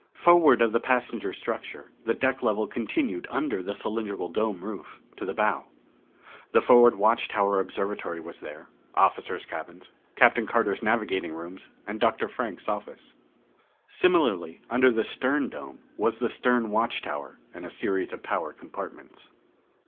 Forward of the passenger structure the deck level continued under the cylindrical dome roof to the bow. The forward watch tower observatory was here, officers' cabins, Captain Carter's navigating rooms and Dr. Frank's office. Similarly, under the stern dome, was the stern watch tower and a series of power compartments.